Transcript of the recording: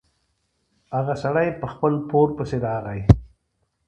هغه سړی په خپل پور پسې راغی.